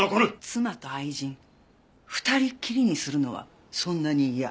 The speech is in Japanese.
妻と愛人２人っきりにするのはそんなに嫌？